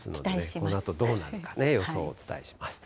このあとどうなるか、予想をお伝えします。